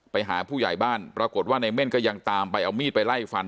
ไปหาผู้ใหญ่บ้านปรากฏว่าในเม่นก็ยังตามไปเอามีดไปไล่ฟัน